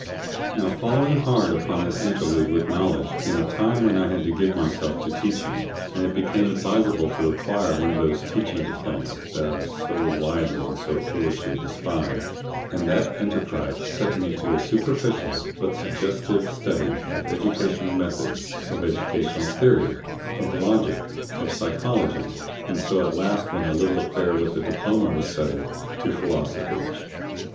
Now following hard upon this interlude with knowledge, came a time when I had to give myself to teaching, and it became advisable to acquire one of those Teaching Diplomas that are so widely and so foolishly despised, and that enterprise set me to a superficial, but suggestive study of educational method, of educational theory, of logic, of psychology, and so at last, when the little affair with the diploma was settled, to philosophy.